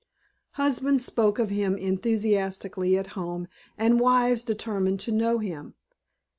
Husbands spoke of him enthusiastically at home and wives determined to know him.